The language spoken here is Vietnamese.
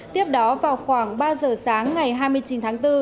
tiếp đó vào khoảng ba giờ sáng ngày hai mươi chín tháng bốn